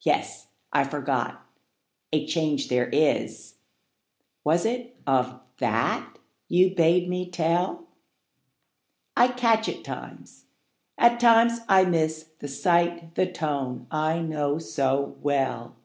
Yes; I forgot; a change there is— 5 Was it of that you bade me tell? I catch at times, at times I miss The sight, the tone, I know so well.